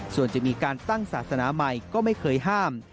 ส่วนจะมีการตั้งศาสนาใหม่ก็ไม่เคยห้าม